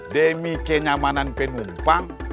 demi kenyamanan penumpang